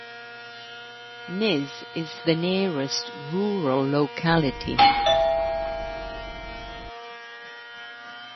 Niz is the nearest rural locality.